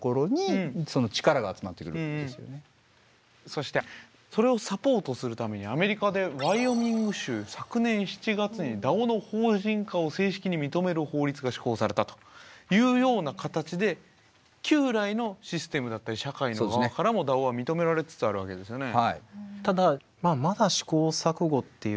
そしてそれをサポートするためにアメリカでワイオミング州で昨年７月にＤＡＯの法人化を正式に認める法律が施行されたというような形で旧来のシステムだったり社会の側からもＤＡＯは認められつつあるわけですよね。